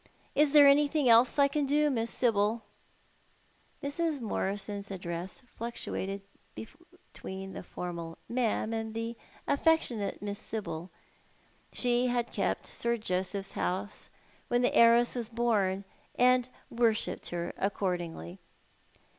Is there anything else I can do, Miss Sibyl ?" Mrs. Morison's address fluctuated between the formal "ma'am" and the affectionate " Miss Sibyl." She had kept Sir Josepli's house when the heiress was born, and worshipped her accordingly.